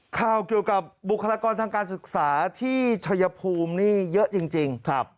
ข่าวเกี่ยวกับบุคลากรทางการศึกษาที่ชัยภูมินี่เยอะจริง